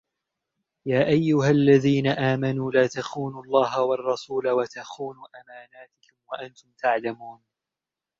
يا أيها الذين آمنوا لا تخونوا الله والرسول وتخونوا أماناتكم وأنتم تعلمون